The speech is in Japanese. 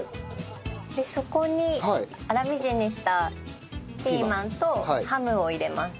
そこに粗みじんにしたピーマンとハムを入れます。